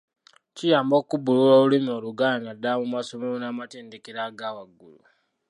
Kiyamba okubbulula olulimi Oluganda naddala mu masomero n’amatendekero aga waggulu.